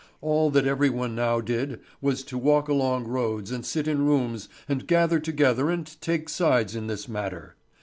All that every one now did was to walk along roads and sit in rooms and gather together and take sides in this matter.